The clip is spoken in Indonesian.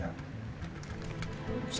jadi puncak dari semuanya